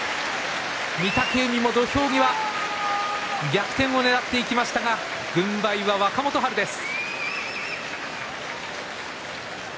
御嶽海も土俵際逆転をねらっていきましたが軍配は若元春です。